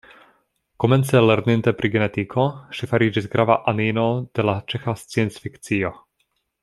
Komence lerninte pri genetiko, ŝi fariĝis grava anino de la ĉeĥa sciencfikcio.